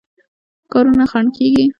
کارونو خنډ کېدی.